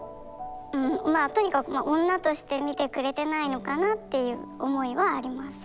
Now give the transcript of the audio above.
うんまあとにかく女としてみてくれてないのかなっていう思いはあります。